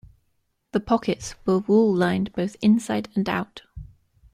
The pockets were wool lined both inside and out.